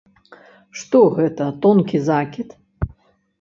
Што гэта, тонкі закід?